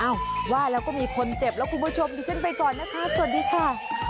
ว่าแล้วก็มีคนเจ็บแล้วคุณผู้ชมดิฉันไปก่อนนะคะสวัสดีค่ะ